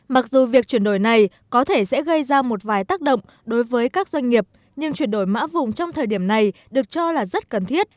mặc dù việc chuyển đổi này có thể sẽ gây ra một vài tác động đối với các doanh nghiệp nhưng chuyển đổi mã vùng trong thời điểm này được cho là rất cần thiết